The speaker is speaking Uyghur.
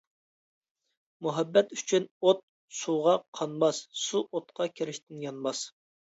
مۇھەببەت ئۈچۈن ئوت سۇغا قانماس سۇ ئوتقا كىرىشتىن يانماس.